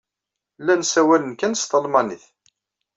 Llan ssawalen kan s talmanit.